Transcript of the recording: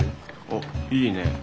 おっいいね。